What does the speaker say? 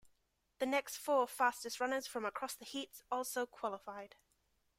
The next four fastest runners from across the heats also qualified.